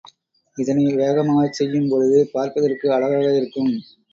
இதனை வேகமாகச் செய்யும் பொழுது, பார்ப்பதற்கு அழகாக இருக்கும்.